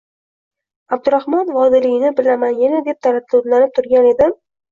–Abdurahmon Vodiliyni bilaman yana, – deb taraddudlanib turgan edim